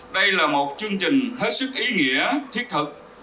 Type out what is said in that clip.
đây là một chương trình hết sức ý nghĩa thiết thực